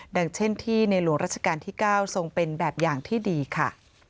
ดังเช่นที่ในหลวงราชการที่๙ทรงเป็นแบบอย่างที่ดีค่ะ